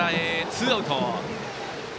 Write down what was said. ツーアウト。